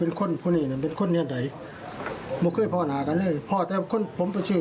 รถขับไปได้ไกลไหมฮะไม่ได้ไกลหรอกอืม